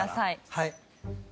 はい。